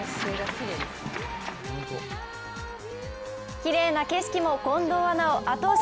きれいな景色も近藤アナを後押し。